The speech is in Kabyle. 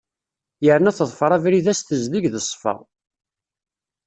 Yerna teḍfer abrid-a s tezdeg d ssfa.